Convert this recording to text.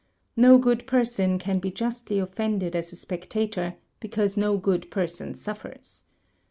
No good person can be justly offended as a spectator, because no good person suffers.